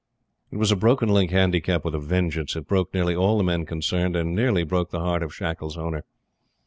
It was a broken link Handicap with a vengeance. It broke nearly all the men concerned, and nearly broke the heart of Shackles' owner.